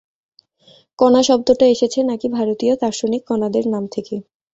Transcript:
কণা শব্দটা এসেছে নাকি ভারতীয় দার্শনিক কণাদের নাম থেকে।